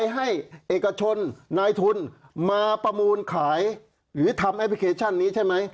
ให้เอกชนนายทุนมาประมูลขายหรือทำแอปพลิเคชันนี้ใช่ไหม